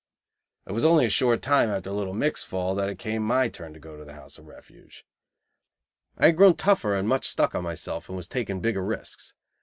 It was only a short time after Little Mick's fall that it came my turn to go to the House of Refuge. I had grown tougher and much stuck on myself and was taking bigger risks.